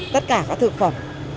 tất cả các thực phẩm